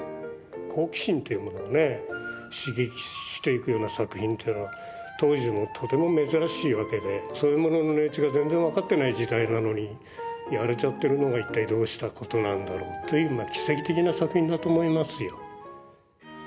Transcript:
好奇心というものをね刺激していくような作品っていうのは当時もとても珍しいわけでそういうものの値打ちが全然分かってない時代なのにやれちゃってるのが一体どうしたことなんだろうという奇跡的な作品だと思いますよ。